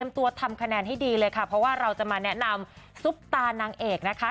ตัวทำคะแนนให้ดีเลยค่ะเพราะว่าเราจะมาแนะนำซุปตานางเอกนะคะ